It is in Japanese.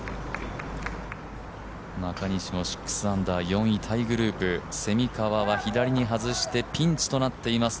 中西も６アンダー４位タイグループ、蝉川は左に外してピンチとなっています